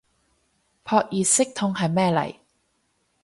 撲熱息痛係咩嚟